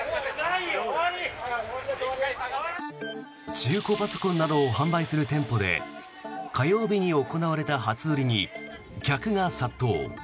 中古パソコンなどを販売する店舗で火曜日に行われた初売りに客が殺到。